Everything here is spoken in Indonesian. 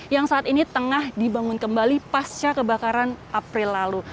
yang saat ini tengah dibangun kembali pasca kebakaran april lalu